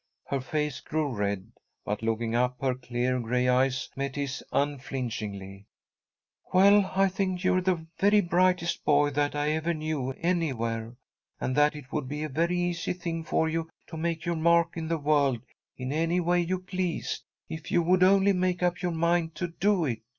Her face grew red, but looking up her clear gray eyes met his unflinchingly. "Well, I think you're the very brightest boy that I ever knew, anywhere, and that it would be a very easy thing for you to make your mark in the world in any way you pleased, if you would only make up your mind to do it.